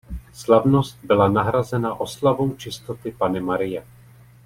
Slavnost byla nahrazena oslavou čistoty Panny Marie.